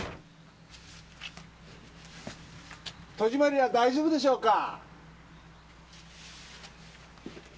戸締まりは大丈夫でしょうか？